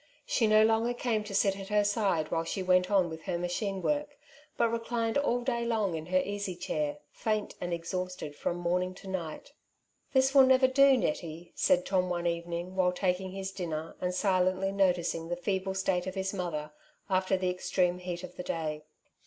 She no longer came to sit at her side while she went on with her machine work, but reclined all day long in her easy chair, faint and exhausted from morn ing to night. '' This will never do, Nettie,'* said Tom one even ing while taking his dinner, and silently noticing the feeble state of his mother after the extreme heat of the day.